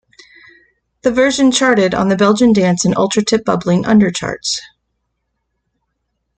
The version charted on the Belgian Dance and Ultratip Bubbling Under charts.